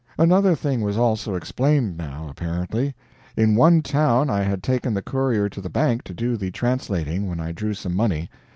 Another thing was also explained, now, apparently. In one town I had taken the courier to the bank to do the translating when I drew some money.